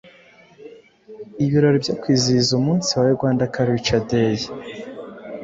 ibirori byo kwizihiza umunsi wa Rwanda Cultural Day,